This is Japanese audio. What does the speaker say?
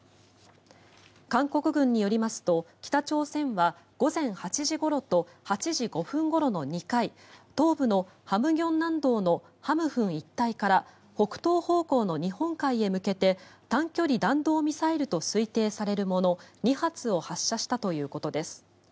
韓国軍によりますと北朝鮮は午前８時ごろと８時５分ごろの２回東部の咸鏡南道のハムフン一帯から北東方向の日本海へ向けて短距離弾道ミサイルと推定されるもの２発を発射したということです。